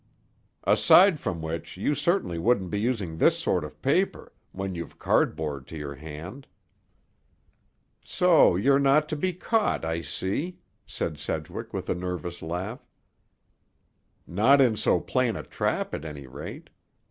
"Aside from which you certainly wouldn't be using this sort of paper, when you've cardboard to your hand." "So you're not to be caught, I see," said Sedgwick, with a nervous laugh. "Not in so plain a trap, at any rate.